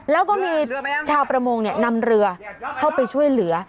แล้วก็มีชาวประมงนำเรือเข้าไปช่วยเหลือ